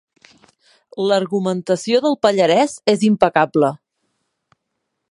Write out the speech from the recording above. L'argumentació del pallarès és impecable.